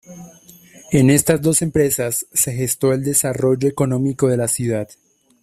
En estas dos empresas se gestó el desarrollo económico de la ciudad.